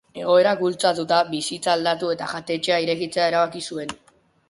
Egoerak bultzatuta, bizitza aldatu eta jatetxea irekitzea erabaki zuen.